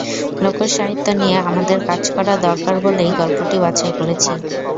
লোকজ সাহিত্য নিয়ে আমাদের কাজ করা দরকার বলেই গল্পটি বাছাই করেছি।